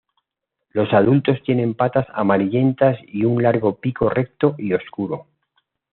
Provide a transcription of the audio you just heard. Los adultos tienen patas amarillentas y un largo pico recto y oscuro.